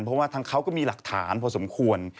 เพราะว่าทางเขาก็มีหลักฐานพอสมควร